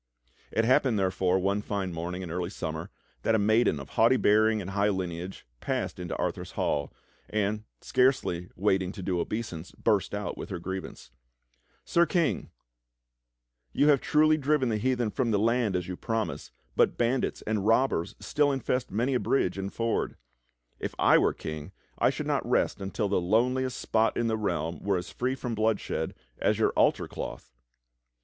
It happened, therefore, one fine morning in early summer, that a maiden of haughty bearing and high lineage passed into Arthur's hall, and, scarcely waiting to do obeisance, burst out with her grievance: "Sir King, you have truly driven the heathen from the land as you promised, but bandits and robbers still infest many a bridge and ford. If I were king I shoidd not rest until the loneliest spot in the realm were as free from bloodshed as your altar cloth."